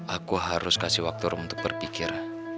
aku harus kasih waktu untuk berpikir